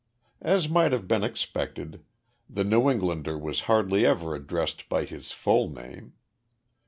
As might have been expected, the New Englander was hardly ever addressed by his full name.